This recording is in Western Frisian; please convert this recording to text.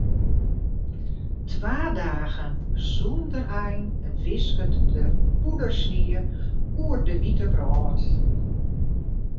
Twa dagen sonder ein wisket der poeiersnie oer de wite wrâld.